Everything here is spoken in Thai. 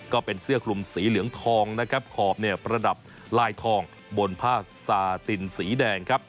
ก็เป็นเสื้อคลุมสีเหลืองทองนะครับขอบเนี่ยประดับลายทองบนผ้าซาตินสีแดงครับ